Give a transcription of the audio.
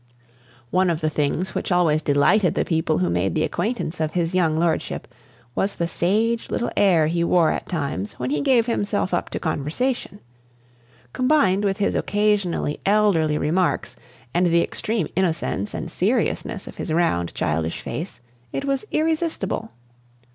One of the things which always delighted the people who made the acquaintance of his young lordship was the sage little air he wore at times when he gave himself up to conversation; combined with his occasionally elderly remarks and the extreme innocence and seriousness of his round childish face, it was irresistible.